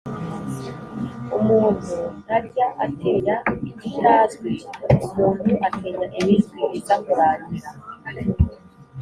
umuntu ntajya atinya ikitazwi; umuntu atinya ibizwi biza kurangira.